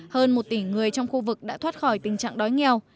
hơn một tỷ người trong khu vực đã thoát khỏi tình trạng đói nghèo